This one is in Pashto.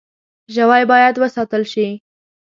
ژوی باید وساتل شي.